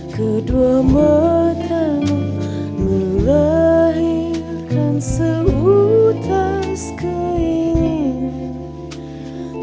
kedua matamu melahirkan seutas keinginan